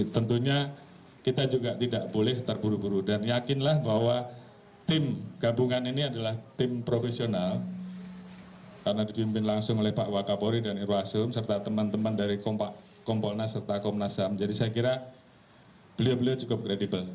tentunya nanti rekomendasi tim gabungan ini akan menjadi salah satu yang kita jadikan untuk